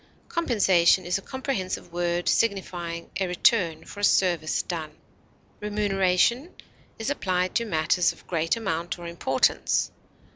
Compensation is a comprehensive word signifying a return for a service done. Remuneration is applied to matters of great amount or importance.